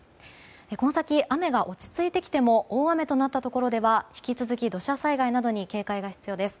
この先、雨が落ち着いてきても大雨となったところでは引き続き土砂災害などに警戒が必要です。